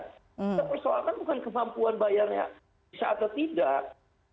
kita persoalkan bukan kemampuan bayarnya bisa atau tidak